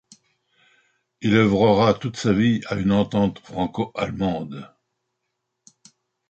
Il œuvrera toute sa vie à une entente Franco-allemande.